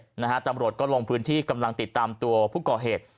ตำรวจก็ลงพื้นที่กำลังติดตามตัวผู้ก่อเหตุ